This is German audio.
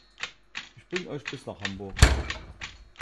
Ich bringe euch bis nach Hamburg